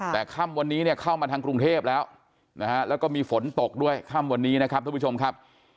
แต่ค่ำวันนี้เนี่ยเข้ามาทางกรุงเทพแล้วนะฮะแล้วก็มีฝนตกด้วยค่ำวันนี้นะครับท่านผู้ชมครับ